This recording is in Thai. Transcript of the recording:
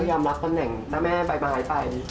ทำรับต้นแห่งนะแม่ไปไป